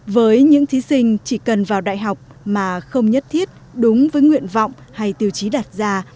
với những thí sinh chỉ cần vào đại học mà không nhất thiết đúng với nguyện vọng hay tiêu chí đặt ra